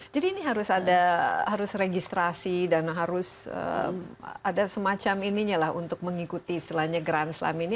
jadi ini harus ada harus registrasi dan harus ada semacam ininya lah untuk mengikuti istilahnya grand slam ini